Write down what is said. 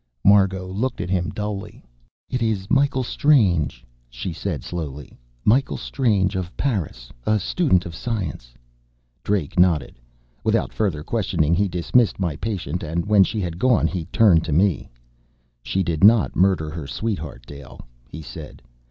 Margot looked at him dully. "It is Michael Strange," she said slowly. "Michael Strange, of Paris. A student of science." Drake nodded. Without further questioning he dismissed my patient; and when she had gone, he turned to me. "She did not murder her sweetheart, Dale" he said.